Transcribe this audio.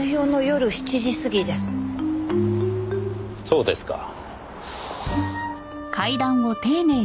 そうですか。